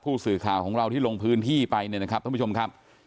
ผู้สื่อข่าวของเราที่ลงพื้นที่ไปเนี่ยนะครับท่านผู้ชมครับ